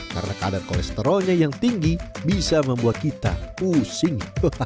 karena kadar kolesterolnya yang tinggi bisa membuat kita pusing